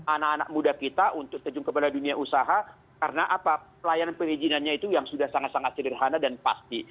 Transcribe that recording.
anak anak muda kita untuk terjun kepada dunia usaha karena apa pelayanan perizinannya itu yang sudah sangat sangat sederhana dan pasti